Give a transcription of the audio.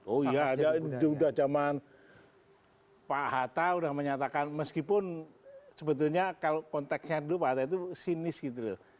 oh iya sudah zaman pak hatta sudah menyatakan meskipun sebetulnya kalau konteksnya dulu pak hatta itu sinis gitu loh